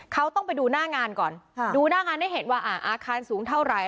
เขาต้องไปดูหน้างานก่อนดูหน้างานให้เห็นว่าอาคารสูงเท่าไหร่